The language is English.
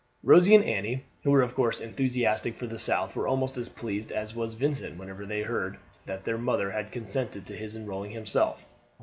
Rosie and Annie, who were of course enthusiastic for the South, were almost as pleased as was Vincent when they heard that their mother had consented to his enrolling himself.